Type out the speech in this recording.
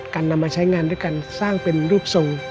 นำมาใช้งานด้วยการสร้างเป็นรูปทรง